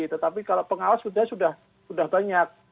tetapi kalau pengawas sudah banyak